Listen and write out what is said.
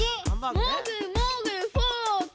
もぐもぐフォーク！